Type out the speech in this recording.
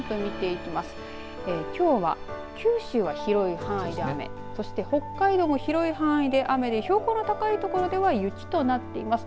きょうは九州は広い範囲で雨そして北海道も広い範囲で雨で標高の高い所では雪となっています。